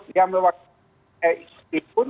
yang mewakili tgipf pun